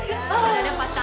udah ada pasangan